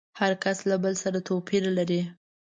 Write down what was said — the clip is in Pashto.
هر کس له بل سره توپير لري.